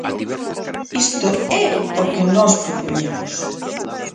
Isto é o que nós propoñemos.